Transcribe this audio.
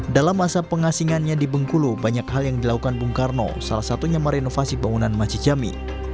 dalam masa pengasingannya di bengkulu banyak hal yang dilakukan bung karno salah satunya merenovasi bangunan masjid jami